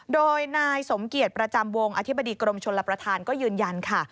โดยนายสมเกียจประจำวงอธิบดีกรมชลประธานก็ยืนยันค่ะ